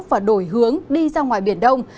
và đổi hướng đi ra ngoài biển đông